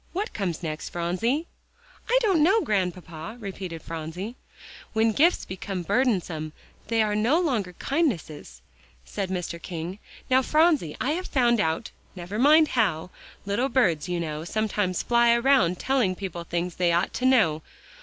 Now what comes next, Phronsie?" "I don't know, Grandpapa," repeated Phronsie. "When gifts become burdensome they no longer are kindnesses," said Mr. King. "Now, Phronsie, I have found out never mind how; little birds, you now, sometimes fly around telling people things they ought to know.